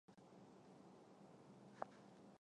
热尔人口变化图示